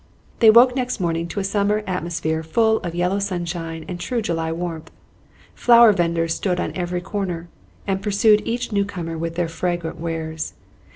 They woke next morning to a summer atmosphere full of yellow sunshine and true July warmth. Flower vendors stood on every corner, and pursued each newcomer with their fragrant wares.